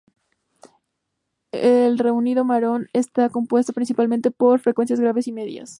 El ruido marrón está compuesto principalmente por frecuencias graves y medias.